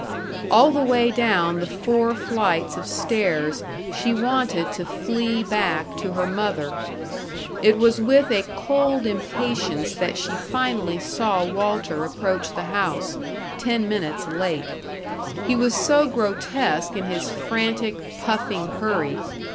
All the way down the four flights of stairs she wanted to flee back to her mother. It was with a cold impatience that she finally saw Walter approach the house, ten minutes late. He was so grotesque in his frantic, puffing hurry.